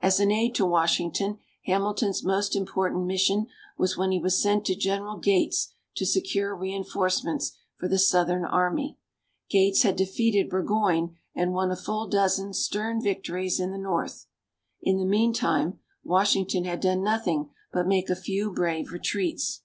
As an aide to Washington, Hamilton's most important mission was when he was sent to General Gates to secure reinforcements for the Southern army. Gates had defeated Burgoyne and won a full dozen stern victories in the North. In the meantime, Washington had done nothing but make a few brave retreats.